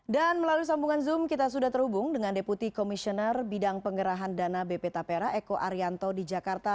dan melalui sambungan zoom kita sudah terhubung dengan deputi komisioner bidang penggerahan dana bp taperah eko arianto di jakarta